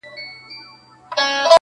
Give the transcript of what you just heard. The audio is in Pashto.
د حرم مېرمني نه وې گلدستې وې!.